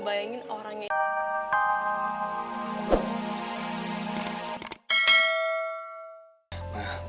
bener ya b